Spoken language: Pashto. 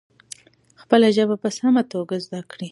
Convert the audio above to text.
خپله ژبه په سمه توګه زده کړه.